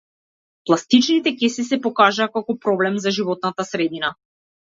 Пластичните кеси се покажаа како проблем за животната средина.